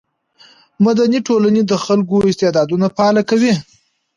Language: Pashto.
مدني ټولنې د خلکو استعدادونه فعاله کوي.